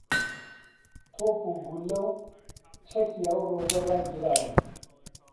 تۆپ و گوللە و چەکی ئەو ڕۆژە ڕاگیراون